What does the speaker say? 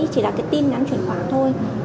chỉ là cái tin nhắn chuyển khoản thôi